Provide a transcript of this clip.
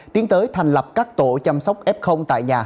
tiến tới thành lập các tổ chăm sóc f tại nhà